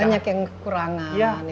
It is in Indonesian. banyak yang kekurangan